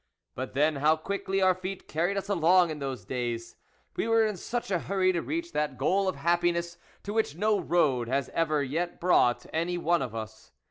But, then, how quickly our feet carried us along in those days ! we were in such a hurry to reach that goal of happiness, to which no road has ever yet brought any one of us.